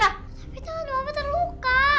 tapi tangan mama terluka